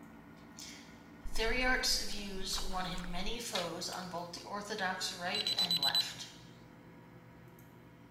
Thiriart's views won him many foes, on both the orthodox right and left.